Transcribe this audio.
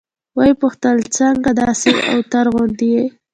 ويې پوښتل څنگه داسې اوتر غوندې يې.